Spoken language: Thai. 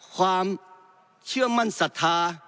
ความเชื่อมั่นศรัทธา